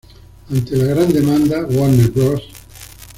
Ante la gran demanda, Warner Bros.